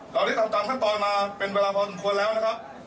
เราได้ทำตามขั้นตอนมาเป็นเวลาพอสมควรแล้วนะครับ